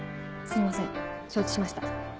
すいません承知しました。